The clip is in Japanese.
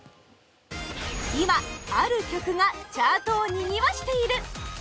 今、ある曲がチャートをにぎわしている！